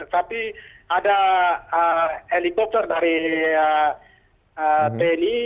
tapi ada helikopter dari tni